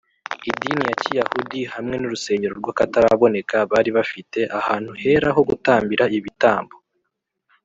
idini ya kiyahudi, hamwe n’urusengero rw’akataraboneka bari bafite, ahantu hera ho gutambira ibitambo